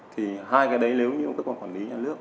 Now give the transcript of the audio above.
thì hai cái đấy nếu như một cơ quan quản lý nhà nước